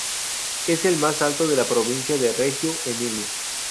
Es el más alto de la provincia de Reggio Emilia.